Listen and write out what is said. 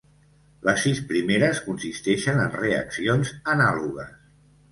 Les sis primeres consisteixen en reaccions anàlogues.